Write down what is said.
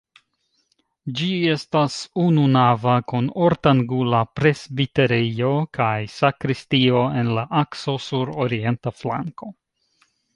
Ĝi estas ununava kun ortangula presbiterejo kaj sakristio en la akso sur orienta flanko.